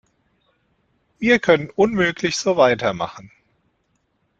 Wir können unmöglich so weitermachen.